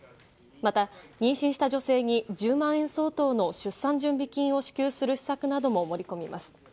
また妊娠した女性に１０万円相当の出産準備金を支給する施策なども盛り込みます。